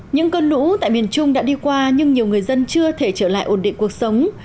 những cơn lũ tại miền trung đã đi qua nhưng nhiều người dân chưa thể trở lại ổn định cuộc sống